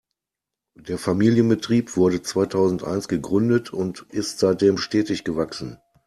Der Familienbetrieb wurde zweitausendeins gegründet und ist seitdem stetig gewachsen.